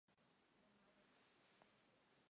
Pasa por la ciudad de Nancy.